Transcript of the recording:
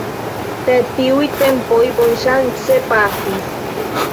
Sed tiuj tempoj bonŝance pasis.